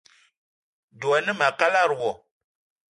Dwé a ne ma a kalada wo.